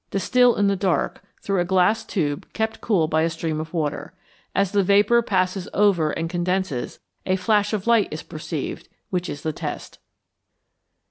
Distil in the dark, through a glass tube kept cool by a stream of water. As the vapour passes over and condenses, a flash of light is perceived, which is the test.